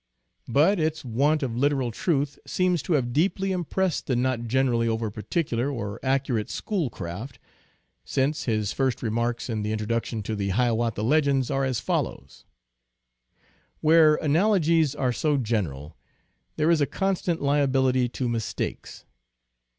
But its want of literal truth seems to have deeply impressed the not generally over particular or accurate Schoolcraft, since his first remarks in the Introduction to the Hiawatha Legends are as follows :" Where analogies are so general, there is a constant liability to mistakes.